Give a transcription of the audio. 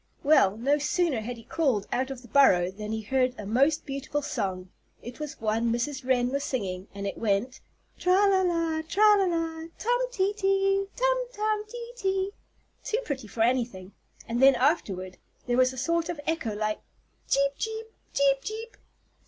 Well, no sooner had he crawled out of the burrow than he heard a most beautiful song. It was one Mrs. Wren was singing, and it went "tra la la tra la la! tum tee tee tum tum tee tee!" too pretty for anything. And then, afterward, there was a sort of an echo like "cheep cheep cheep cheep!"